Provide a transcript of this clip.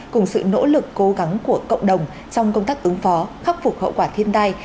cùng sự nỗ lực cố gắng của cộng đồng trong công tác ứng phó khắc phục hậu quả thiên tai